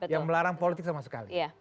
yang melarang politik sama sekali